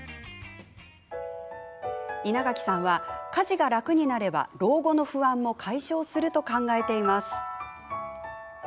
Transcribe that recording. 稲垣さんは、家事が楽になれば老後の不安も解消すると考えています。